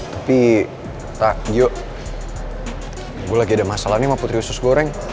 tapi yuk gue lagi ada masalah nih sama putri usus goreng